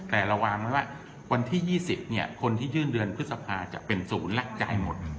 แต่ระวังนะว่าวันที่ยี่สิบเนี้ยคนที่ยื่นเรือนพฤษภาจะเป็นศูนย์และจ่ายหมด